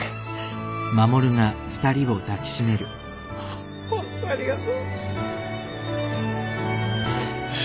ホッホントありがとう。